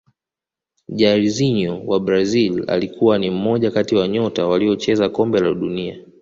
jairzinho wa brazil alikuwa ni mmoja kati ya nyota waliocheza kombe la dunia